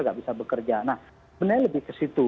nggak bisa bekerja nah sebenarnya lebih ke situ